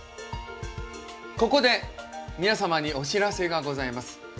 ここで皆様にお知らせがございます。